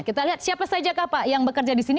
kita lihat siapa saja kakak yang bekerja di sini